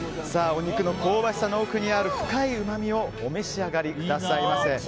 お肉の香ばしさの奥にある深いうまみをお召し上がりくださいませ。